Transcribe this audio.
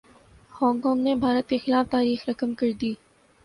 Hong Kong نے بھارت کے خلاف تاریخ رقم کردی